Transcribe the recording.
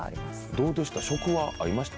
どうでした？